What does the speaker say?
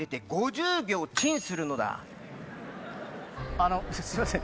あのすいません